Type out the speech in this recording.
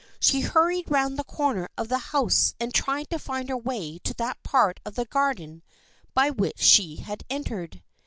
She hurried around the corner of the house and tried to find her way to that part of the garden by which she had entered.